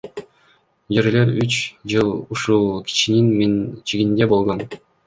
Жерлер үч жыл ушул кишинин менчигинде болгон.